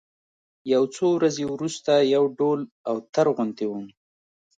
يو څو ورځې وروسته يو ډول اوتر غوندې وم.